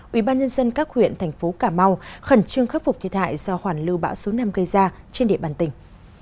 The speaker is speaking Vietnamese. ubnd các huyện thành phố cà mau khẩn trương khắc phục thiệt hại do hoàn lưu bão số năm gây ra trên địa bàn tỉnh